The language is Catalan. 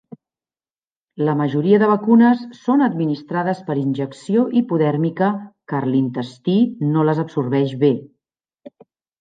La majoria de vacunes són administrades per injecció hipodèrmica, car l'intestí no les absorbeix bé.